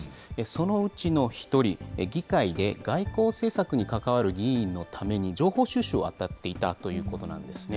そのうちの１人、議会で外交政策に関わる議員のために情報収集を当たっていたということなんですね。